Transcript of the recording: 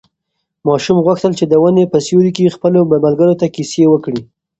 ماشوم غوښتل چې د ونې په سیوري کې خپلو ملګرو ته کیسې وکړي.